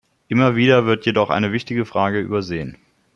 Immer wieder wird jedoch eine wichtige Frage übersehen.